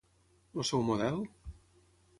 El seu model?